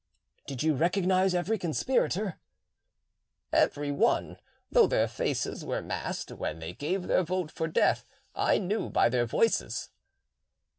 "Did you recognise every conspirator?" "Every one, though their faces were masked; when they gave their vote for death, I knew them by their voices."